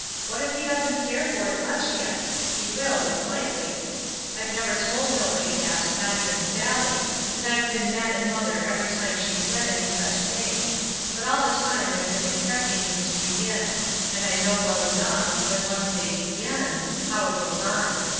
What if he doesn't care for it much yet? He will, it's likely. I've never told nobody that, not even Sallie, and I've been mad at mother every time she said any such thing; but all the time I've been expecting him to begin; and I know well enough, when once they begin, how it goes on.